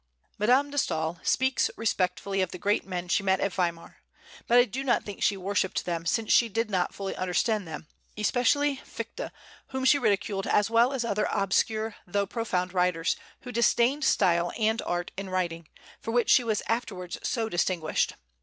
Madame de Staël speaks respectfully of the great men she met at Weimar; but I do not think she worshipped them, since she did not fully understand them, especially Fichte, whom she ridiculed, as well as other obscure though profound writers, who disdained style and art in writing, for which she was afterwards so distinguished.